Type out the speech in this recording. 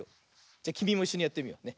じゃきみもいっしょにやってみようね。